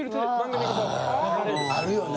あるよな。